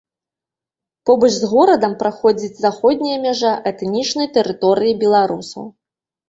Побач з горадам праходзіць заходняя мяжа этнічнай тэрыторыі беларусаў.